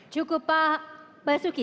cukup pak basuki